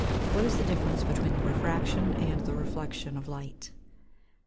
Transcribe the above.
_What is the difference between the refraction and the reflection of light?